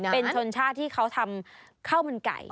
เป็นชนชาติที่เขาทำข้าวมันไก่